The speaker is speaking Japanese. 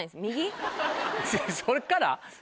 そっから？